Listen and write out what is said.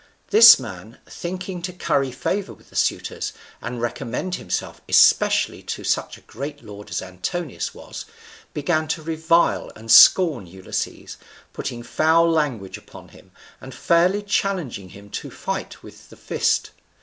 This man, thinking to curry favour with the suitors, and recommend himself especially to such a great lord as Antinous was, began to revile and scorn Ulysses, putting foul language upon him, and fairly challenging him to fight with the fist.